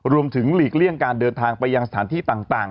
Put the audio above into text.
หลีกเลี่ยงการเดินทางไปยังสถานที่ต่าง